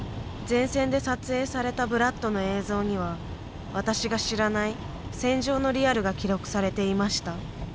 前線で撮影されたブラッドの映像には私が知らない戦場のリアルが記録されていました。